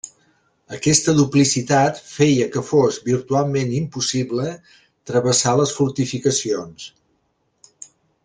Aquesta duplicitat feia que fos virtualment impossible travessar les fortificacions.